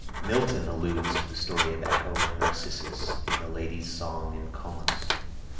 Milton alludes to the story of Echo and Narcissus in the Lady's song in "Comus."